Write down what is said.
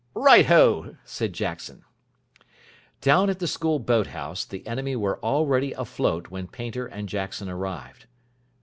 "Right ho," said Jackson. Down at the School boat house the enemy were already afloat when Painter and Jackson arrived.